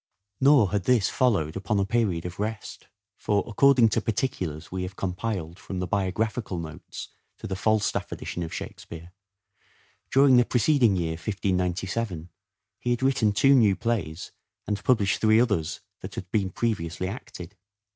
Nor had this followed upon a period of rest ; for, according to particulars we have compiled from the Biographical Notes to the Falstaff Edition of Shake speare, during the preceding year (1597) he had written two new plays and published three others that had been previously acted.